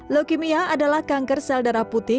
leukemia adalah kanker sel darah putih